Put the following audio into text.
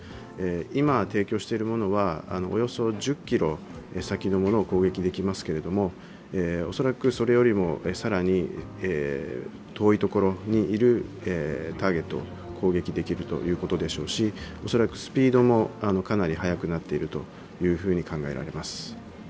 今提供しているものはおよそ１０ｋｍ先のものを攻撃できますけれども、恐らくそれよりも更に遠いところにいるターゲットを攻撃できるということでしょうし、恐らくスピードもかなり速くなっていると考えられます。